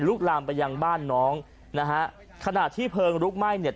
ลามไปยังบ้านน้องนะฮะขณะที่เพลิงลุกไหม้เนี่ย